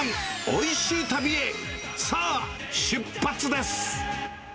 おいしい旅へ、さあ、出発です。